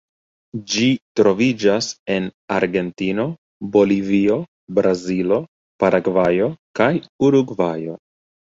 Ĝi troviĝas en Argentino, Bolivio, Brazilo, Paragvajo kaj Urugvajo.